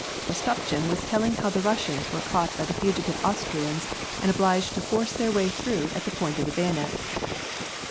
Eostopchin was telling how the Russians were caught by the fugitive Austrians, and obliged to force their way through at the point of the bayonet.